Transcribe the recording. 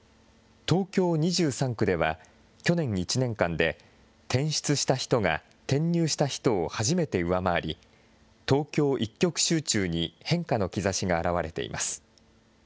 東京２３区では、去年１年間で、転出した人が転入した人を初めて上回り、東京一極集中に変化の兆しが現れています。